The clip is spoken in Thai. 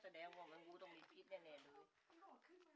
แสดงว่างูต้องมีพิษแน่ดู